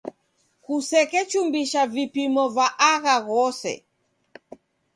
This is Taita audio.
Kusekechumbisha vipimo va agha ghose.